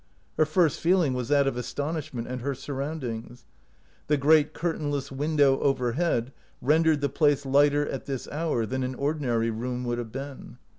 Her first feeling was that of astonishment at her surroundings. The great curtainless window overhead rendered the place lighter at this hour than an ordinary room would have been.